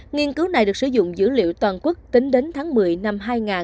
nghiên cứu này được sử dụng dữ liệu toàn quốc tính đến tháng một mươi năm hai nghìn hai mươi ba